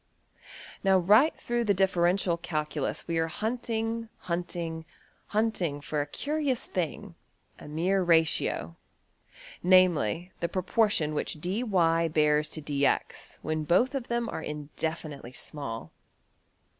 Now right through the differential calculus we are hunting, hunting, hunting for a curious thing, \DPPageSep{025.png}% a mere ratio, namely, the proportion which $dy$~bears to~$dx$ when both of them are indefinitely small.